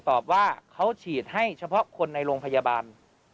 ตอบว่าเขาฉีดให้เฉพาะคนในโรงพยาบาล